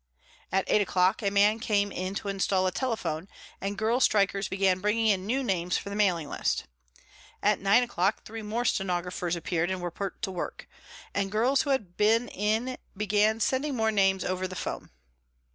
At eight o'clock a man came in to install a telephone and girl strikers began bringing in new names for the mailing list. At nine o'clock three more stenographers appeared and were put to work, and girls who had been in began sending more names over the 'phone.